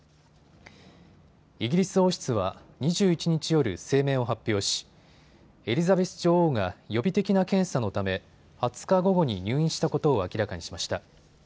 イギリス王室は２１日夜、声明を発表しエリザベス女王が予備的な検査のため２０日午後に入院したことを明らかにしました。